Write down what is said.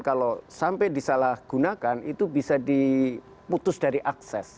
kalau sampai disalahgunakan itu bisa diputus dari akses